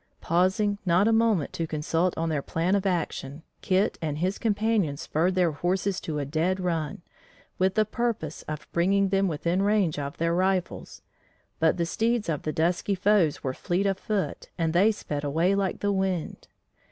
Pausing not a moment to consult on their plan of action, Kit and his companions spurred their horses to a dead run, with the purpose of bringing them within range of their rifles, but the steeds of the dusky foes were fleet of foot and they sped away like the wind.